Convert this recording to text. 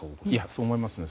そう思います。